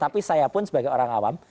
tapi saya pun sebagai orang awam